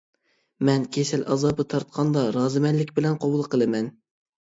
مەن كېسەل ئازابى تارتقاندا، رازىمەنلىك بىلەن قوبۇل قىلىمەن.